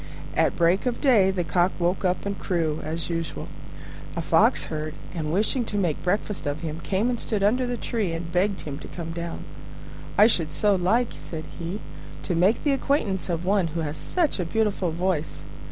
At break of day the Cock woke up and crew, as usual. A Fox heard, and, wishing to make a breakfast of him, came and stood under the tree and begged him to come down. "I should so like," said he, "to make the acquaintance of one who has such a beautiful voice."